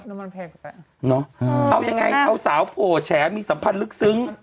น้ำมันแพงกับเนาะเอายังไงเอาสาวโผลแชมีสัมพันธ์ลึก